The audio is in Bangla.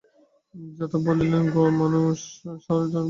যাদব বলিলেন, গেঁয়ো মানুষ, শহরে মন টিকল না বাবা।